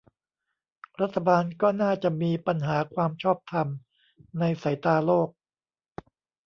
รัฐบาลก็น่าจะมีปัญหาความชอบธรรมในสายตาโลก